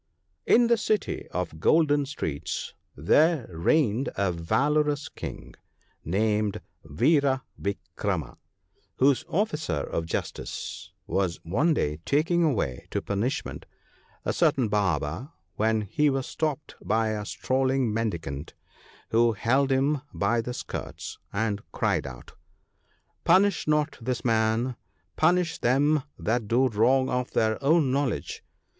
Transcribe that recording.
N the city of "Golden streets" there reigned a valorous King, named Vira vikrama, whose officer of justice was one day taking away to punishment a certain Barber, when he was stopped by a strolling mendicant, who held him by the skirts, and cried out, "Punish not this man — punish them that do wrong of their own knowledge."